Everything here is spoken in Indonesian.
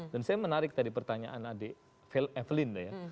dan saya menarik tadi pertanyaan adi evelyne ya